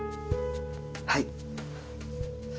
はい。